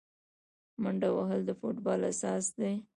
منډه وهل د فوټبال اساس دی.